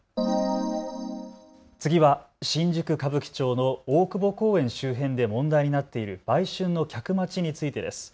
次は新宿歌舞伎町の大久保公園周辺で問題になっている売春の客待ちについてです。